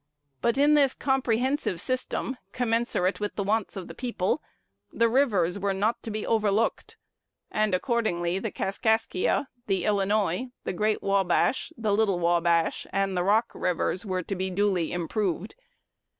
But in this comprehensive "system," "commensurate with the wants of the people," the rivers were not to be overlooked; and accordingly the Kaskaskia, the Illinois, the Great Wabash, the Little Wabash, and the Rock rivers were to be duly improved.